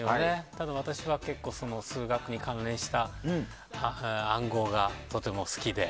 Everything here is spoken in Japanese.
ただ私は結構、その数学に関連した暗号がとても好きで。